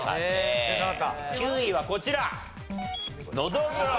９位はこちら。